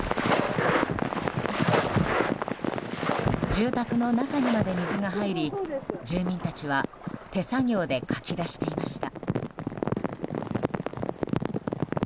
住宅の中にまで水が入り住民たちは手作業でかき出していました。